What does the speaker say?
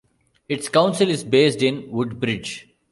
Its council is based in Woodbridge.